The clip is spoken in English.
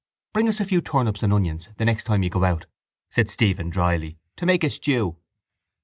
—Bring us a few turnips and onions the next time you go out, said Stephen drily, to make a stew.